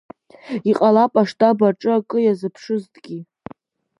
Иҟалап аштаб аҿы акы иазыԥшызҭгьы.